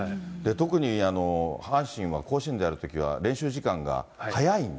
特に、阪神は甲子園でやるときは、練習時間が早いんで。